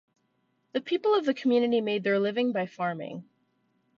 The people of the community made their living by farming.